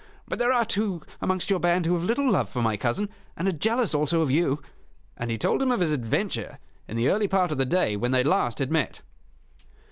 "But there are two amongst your band who have little love for my cousin, and are jealous also of you " And he told him of his adventure in the early part of the day when they last had met.